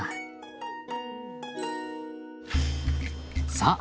さあ